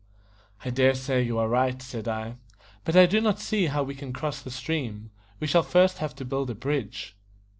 "I dare say you are right," said I; "but I do not yet see how we can cross the stream. We shall first have to build a bridge."